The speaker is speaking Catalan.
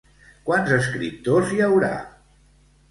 Quants escriptors hi haurà?